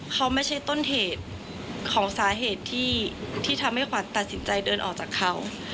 เขาไม่ใช่ต้นเหตุของสาเหตุที่ทำให้ขวัญตัดสินใจเดินออกจากเขา